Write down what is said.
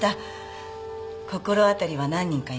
心当たりは何人かいます。